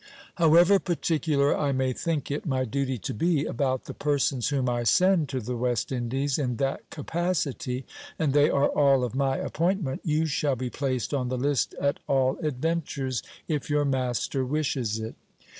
However particular I may think it my duty to be about the persons whom I send to the West Indies in that capacity, and they are all of my appointment, you shall be placed on the list at all adventures, if your master wishes it.